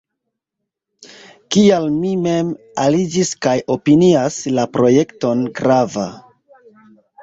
Kial vi mem aliĝis kaj opinias la projekton grava?